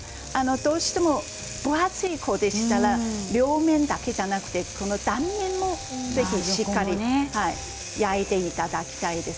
どうしても分厚い子ですから両面だけじゃなくこの断面もしっかり焼いていただきたいです。